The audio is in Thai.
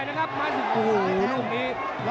ยังดัดแท็งอยู่